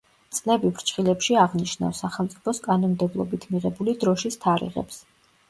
წლები ფრჩხილებში აღნიშნავს, სახელმწიფოს კანონმდებლობით მიღებული დროშის თარიღებს.